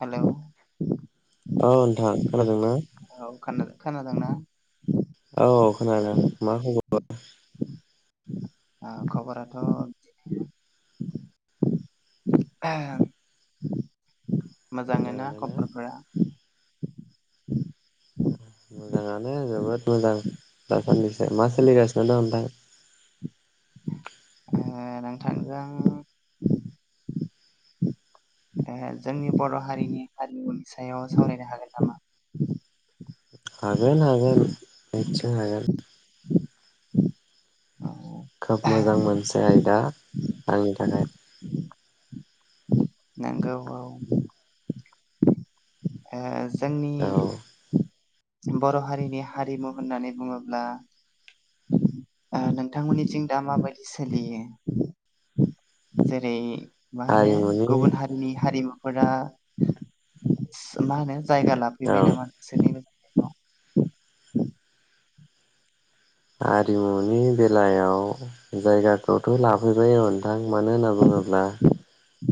हेल' औ नोंथां खोनादोंना? खोना खोनादोंना? औ खोनादों मा खबर? ओ खबराथ' मोजाङै ना खबरफोरा मोजाङानो जोबोद मोजां। दासान्दिसो मा सोलिगासिनो दं नोंथां? आङो नोंथाजों ओ जोंनि बर' हारिनि हारिमुनि सायाव सावरायनो हागोन नामा? हागोन हागोन निथसय हागोन औ खोब मोजां मोनसे आयदा आंनि थाखाय नंगौ औ ए जोंनि औ बर' हारिनि हारिमु होननानै बुङोब्ला ओ नोंथांमोननि जिं दा माबायदि सोलियो? जेरै मा होनो हारिमुनि गुबुन हारिनि हारिमु फोरा मा होनो जायगा औ लाफैबाय नामा नोंसोरनि [unintelligible] औ आरिमुनि बेलायाव जायगाखौथ' लाफैबाय औ नोंथां मानो होनना बुङोब्ला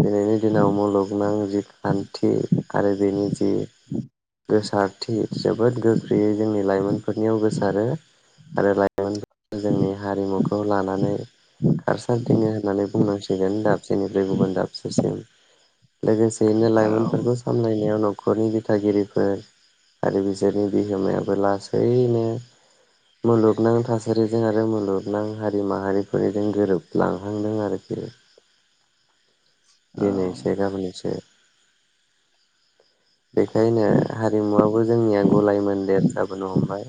दिनैनि दिनाव मुलुगनां जि खान्थि आरो बेनि जि गोसारथि जोबोद गोख्रैयै जोंनि लाइमोनफोरनियाव गोसारो। आरो लाइमोन जोंनि हारिमुखौ लानानै खारसारदिङो होननानै बुंनांसिगोन दाबसेनिफ्राय गुबुन दाब से लोगोसेयैनो औ लाइमोनफोरखौ सामलायनायाव न'खरनि दिथागिरिफोर आरो बिसोरनि बिहोमायाबो लासैनो मुलुगनां थासारिजों आरो मुलुगनां हारि माहारिफोरनिजों गोरोबलांहांदों आरोखि औ दिनै एसे गाबोन एसे बेखायनो हारिमुवा बो जोंनिया गलाय मोन्देर जाबोनो हमबाय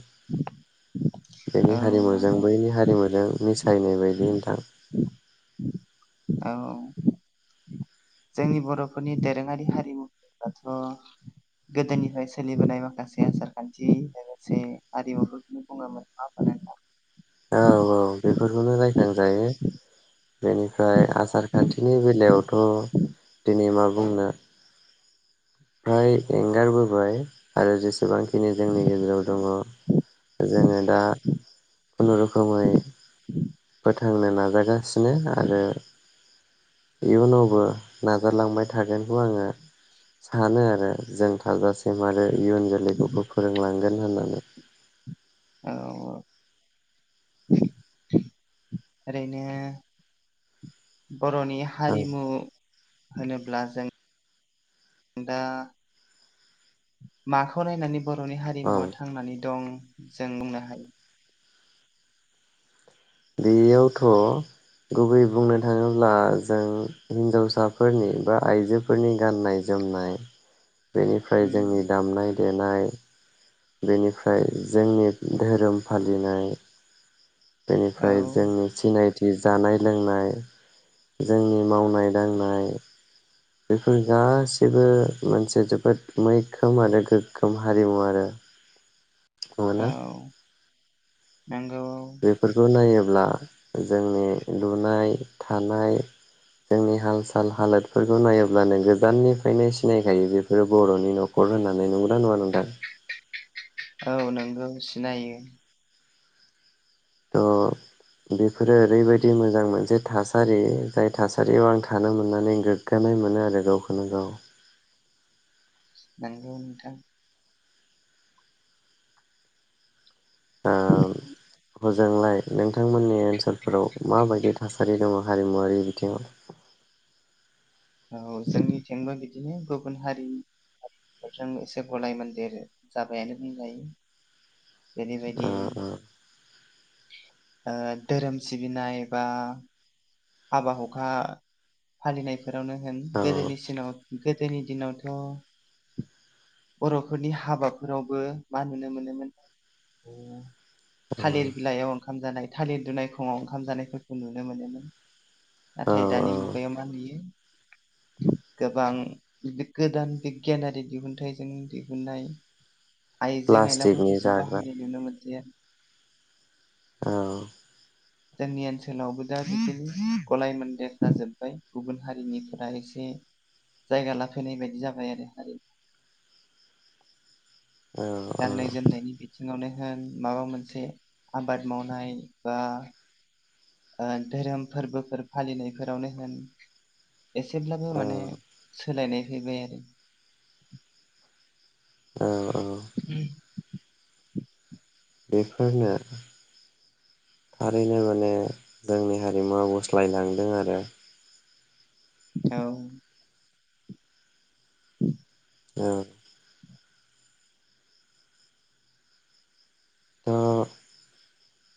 बेनि औ हारिमुजों नंगौ बैनि हारिमुजों [unintelligible] बायदि नोंथां औ जोंनि बर'फोरनि दोरोङारि हारिमु होनबाथ' गोदोनिफ्राय सोलिबोनाय माखासे आसारखान्थि लोगोसे हारिमुफोरखौनो बुङोमोन नङा होमबा नोंथां औ औ बे फोरखौनो रायखांजायो बेनिफ्राय आसार खान्थिनि बेलायावथ' दिनै मा बुंनो फ्राय एंगारबोबाय आरो जेसेबां खिनि जोंनि गेजेराव दङ जोङो दा खुनु रोखोमै फोथांनो नाजागासिनो आरो इयुनावबो नाजालांबाय थागोनखौ आङो सानो आरो जों थाजासिम आरो इयुन जोलैखौबो फोरोंलांगोन होननानै औ ओरैनो बर'नि हारिमु होनोब्ला जों दा माखौ नायनानै बर'नि औ हारिमुवा थांनानै दं जों बुंनो हायो बेयावथ' गुबै बुंनो थाङोब्ला जों हिनजावसाफोरनि बा आइजोफोरनि गाननाय जोमनाय बेनिफ्राय उम जोंनि दामनाय देनाय बेनिफ्राय जोंनि धोरोम फालिनाय औ बेनिफ्राय जोंनि सिनाय थि जानाय लोंनाय जोंनि मावनाय दांनाय बेफोर गासैबो मोनसे जोबोद मैखोम आरो गोग्गोम हारिमु आरो नंगौना औ नंगौ बेफोरखौ नायो ब्ला जोंनि लुनाय थानाय जोंनि हाल साल हालोदफोरखौ नायोब्लानो गोजाननिफ्रायनो सिनायखायो बेफोरो बर'नि न'खर होननानै नंगौना नङा नोंथां औ नंगौ सिनायो थ' बेफोरो ओरैबायदि मोजां मोनसे थासारि जाय थासारियाव आं थानो मोननानै गोग्गानाय मोनो आरो गावखौनो गाव नंगौ नोंथां ओम हजोंलाय नों थांमोननि ओनसोलफोराव माबायदि थासारि दङ हारिमुवारि बिथिङाव औ जोंनिथिंबो बिदिनो गुबुन हारि हारिफोरजों एसे गलाय मन्देर जाबायानो बुंजायो। जेरैबायदि ओ ओ ओ धोरोम सिबिनाय बा हाबा हुखा फालिनाय जेरावनो होन गोदोनि औ सि [unintelligible] गोदोनि दिनावथ' बर'फोरनि हाबाफोरावबो मा नुनो मोनोमोन। थालिर औ बिलाइयाव ओंखाम जानाय थालिर दुनाय खङाव ओंखाम जानायफोरखौ नुनो मोनो नों नाथाय दानि औ औ मुगायाव मा नुयो। गोबां गोदान बिगियानारि दिहुनथाइजों दिहुननाय आइजें प्लास्टिकनि आयलाफोरखौसो जाग्रा बाहायनाय नुनो मोन्दों। औ जोंनि ओनसोलावबो दा गलाय मोनदेर जोब्बाय गुबुन हारिनिफोरा एसे जायगा लाफैनाय बायदि जाबाय आरो हारि औ गाननाय जोमनायनि बि थिङावनो होन माबा मोनसे आबाद मावनाय बा ओ धोरोम फोरबोफोर फालिनायफोरावनो होन एसेब्लाबो औ माने सोलायनाय फैबाय आरो। औ औ उम बेफोरनो थारैनो माने जोंनि हारिमुवा बस्लायलांदों आरो। औ [inaudible] ओ थ'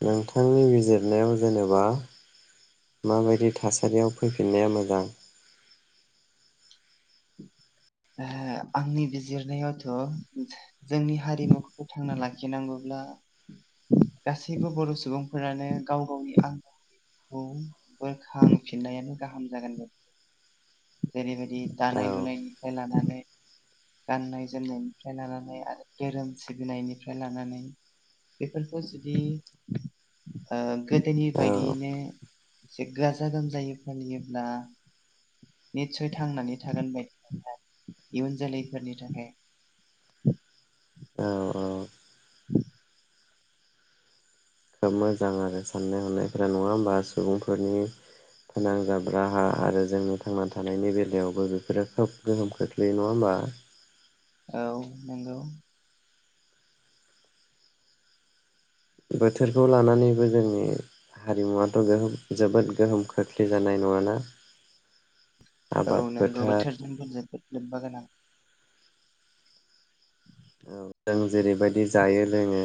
नोंथांनि बिजिरनायाव जेनेबा माबायदि थासारियाव फैफिननाया मोजां हो आंनि बिजिरनायावथ' जोंनि हारिमुखौ फोथांना लाखिनांगौब्ला गासैबो बर' सुबुंफोरानो गाव गावनि आं [unintelligible] खौ बोखांफिननायानो गाहाम जागोन बायदि जेरैबाय दि औ दानाय लुनायनि लानानै गाननाय जोमनायनिफ्राय लानानै आरो धोरोम सिबिनायनिफ्राय लानानै बेफोरखौ जुदि ओ गोदोनि औ बायदियैनो एसे गाजा गोमजायै फालियोब्ला निसय थांनानै थागोन बायदि। इयुन जोलैफोरनि थाखाय औ [inaudible] खोब मोजां आरो साननाय हनायफोरा नङा होमबा सुबुंफोरनि फोनांजाब राहा आरो जोंनि थांना थानायनि बेलायावबो बेफोरो खोब गोहोम खोख्लैयो नङा होमबा? औ नोंगौ। बोथोरखौ लानानैबो जोंनि हारिमुवाथ' गोहो जोबोद गोहोम खोख्लै जानाय नङाना। औ आबाद नोंगौ फोथार बोथोरजों जोङो खोब लोब्बा गोनां औ जों जेरैबायदि जायो लोङो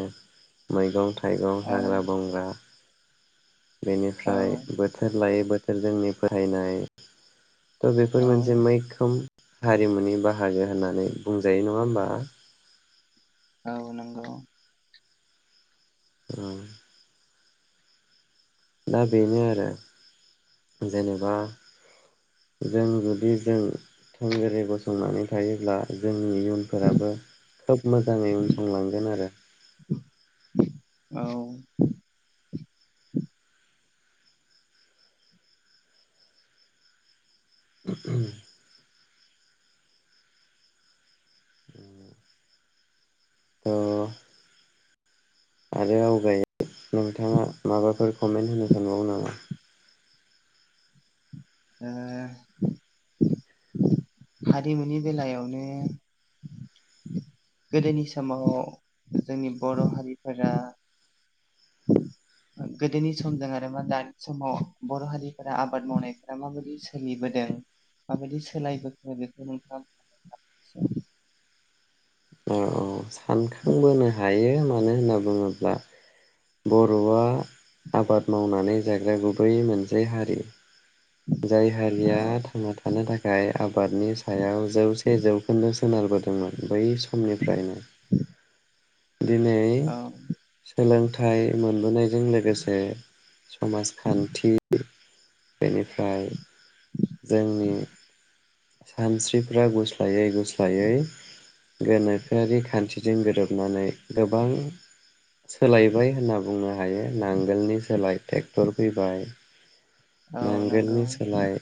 मैगं था थाइगं औ हाग्रा बंग्रा औ बेनिफ्राय बोथोर लायै बो थोर जोंनि फोथायनाय त' बेफोर औ मोनसे मैखोम हारिमुनि बाहागो होननानै बुंजायो नङा होमबा औ नोंगौ औ दा बेनो आरो जेनेबा जों जुदि जों थोंगोरै गसंनानै थायोब्ला जों नि इयुनफोराबो खोब मोजाङै उन संलांगोन आरो औ ओ [unintelligible] ओ आरो आवगायै नोंथाङा माबाफोर कमेन्ट होनो सानबावो नामा ओ हारिमुनि बेलायावनो गोदोनि समाव जोंनि बर' हारिफोरा गोदोनि समजों आरो मा दानि समाव बर' हारिफोरा आबाद मावनायफोरा माबायदि सोलिबोदों माबायदि सोलायबोखो बेखौ नोंथाङा [unintelligible] अजा सानखांबोनो हायो मानो होनना बुङोब्ला बर'आ आबाद मावनानै जाग्रा गुबै मोनसे हारि जाय हारिया औ थांना थानो थाखाय आबादनि सायाव जौसे जौखोन्दो सो सोनारबोदोंमोन बै समनिफ्रायनो दिनै औ सोलोंथ थाय मोनबोनाय बेजों लोगोसे समाजखान्थि बेनिफ्राय जोंनि सानस्रिफ्रा गुस्लायै गुस स्लायै गोनोखोआरि खान्थिजों गोरोबनानै गोबां सोलायबाय होनना बुङो। हायो नांगोलनि सोलाय ट्रेक्टर फैबाय औ नंगौ नांगोलनि सोलाय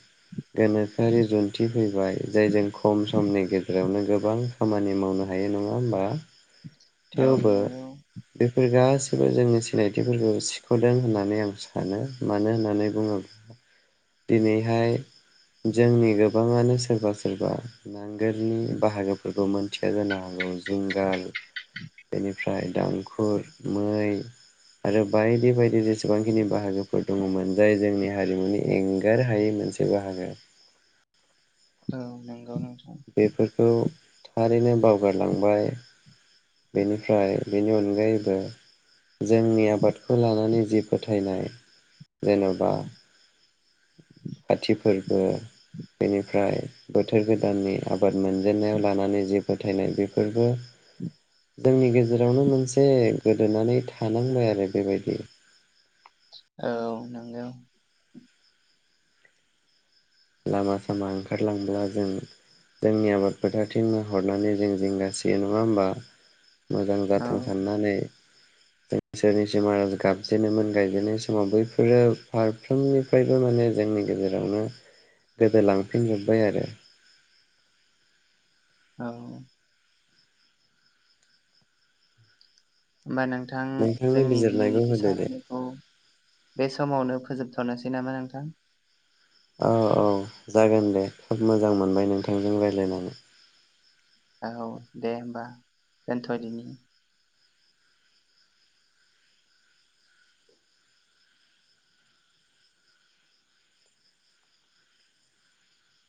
गोनोखोआरि जुन्थि फैबाय जाय जों खम समनि गेजेरावनो गोबां खामानि मावनो हायो नङा होमबा औ थेवबो नंगौ बेफोर गासै जोंनि सिनायथिफोरखौ सिख'दों होननानै आं सानो मानो होननानै बुङोब्ला दिनैहाय जोंनि गोबाङानो सोरबा सोरबा नो नोगोरनि बाहागोफोरबोमोन खोथिया जानो हागौ जुंगाल बेनिफ्राय दामखुर मै आरो बायदि बायदि जेसेबांखिनि बाहागोफोर दङमोन जाय जोंनि हारिमुनि एंगार हायै मोनसे बाहागो औ नंगौ नों बेफोरखौ थारैनो बावगारलांबाय बेनिफ्राय बेनि अनगायैबो जोंनि आबादखौ लानानै जि फोथायनाय जेन'बा खाथि फोरबो बेनिफ्राय बोथोर गोदाननि आबाद मोनजेनन्नायाव लानानै जे फोथायनाय बेफोरबो [unintelligible] जोंनि गेजेरावनो मोनसे गोदोनानै थानांबाय आरो बेबायदि औ नंगौ लामा सामा ओंखारलांब्ला जों जोंनि आबाद फोथारथिं हरनानै जों जिंगासियो नङा होमबा मोजां औ जाथों साननानै इसोरनिसिम आरज गाबजेनोमोन गायजेनाय समाव बैफोरो फारफ्रोमनिफ्रायबो माने जोंनि गेजेरावनो गोदो लांफिनजोब्बाय आरो औ होमबा नोंथां नोंथांनि जोंनि दिनैनि बिजिरनायखौ बे होदो दे सावरायनायखौ बे समावनो फोजोबथ'नोसै नामा नोंथां औ औ जागोन दे खोब मोजां मोनबाय नोंथांजों रायज्लायनानै औ दे होमबा दोनथ'दिनि